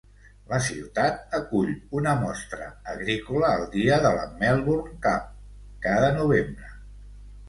La ciutat acull una mostra agrícola el dia de la Melbourne Cup, cada novembre.